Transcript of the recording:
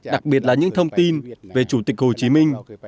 đặc biệt là những thông tin về chủ tịch hồ chí minh